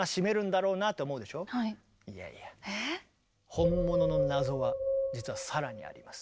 本物の謎は実は更にあります。